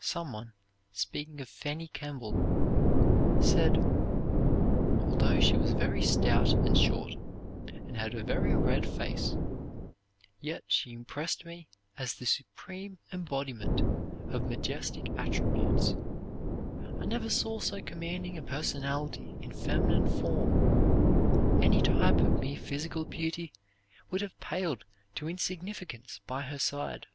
Some one, speaking of Fanny Kemble, said: "Although she was very stout and short, and had a very red face, yet she impressed me as the supreme embodiment of majestic attributes. I never saw so commanding a personality in feminine form. Any type of mere physical beauty would have paled to insignificance by her side."